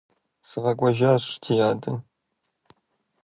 СыкъэкӀуэжащ, ди адэ.